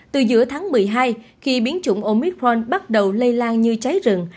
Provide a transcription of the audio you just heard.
từ giữa tháng một mươi hai khi biến chủng omitforn bắt đầu lây lan như cháy rừng